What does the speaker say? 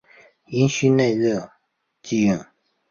阴虚内热忌用。